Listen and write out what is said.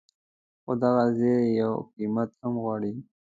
خو دغه زیری یو قیمت هم غواړي.